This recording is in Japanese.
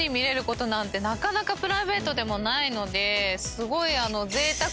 すごい。